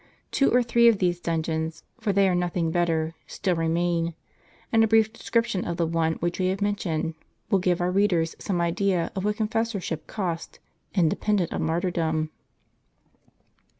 Two or three of these dungeons, for they are nothing better, still remain ; and a brief description of the one which we have mentioned will give our * See the account of St. Pothinus, Ruinart, i. p. 145. readers some idea of what confessorship cost, independent of martyidom.